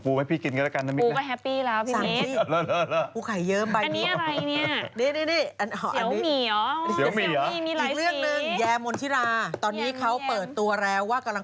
คุณอะไรนะพลอยหอวังพลอยหอวัง